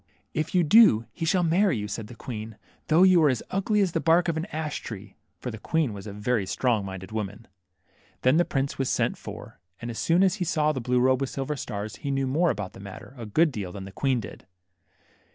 If you do, he shall marry you," said the queen. 22 THE MERMAID. though you are as ugly as the bark of an ash tree/' for the qu€?en was a very strong minded woman. Then the prince was sent for ; and as soon as he saw the blue robe with silver stars, he knew more about the matter, a good deal, than the queen did.